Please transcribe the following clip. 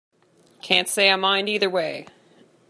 Can't say I mind either way.